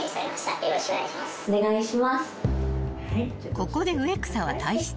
［ここで植草は退室］